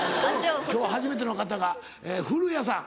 今日は初めての方がえ古屋さん。